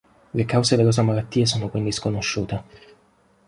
Le cause della sua malattia sono quindi sconosciute.